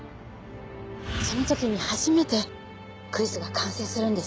その時に初めてクイズが完成するんです。